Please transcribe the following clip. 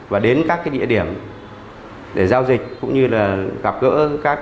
và đến các địa điểm để giao dịch cũng như gặp gỡ các nhà đầu tư